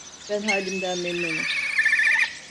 Ben halimden memnunum.